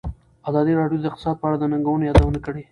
ازادي راډیو د اقتصاد په اړه د ننګونو یادونه کړې.